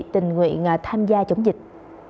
tình nguyện tham gia chống dịch